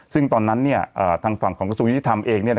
ซึ่งตอนนั้นทางฝั่งของกสุทธิธรรมเอง